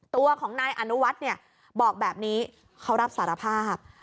ตัวของนายอนุวัฒน์เนี่ยบอกแบบนี้เขารับสารภาพ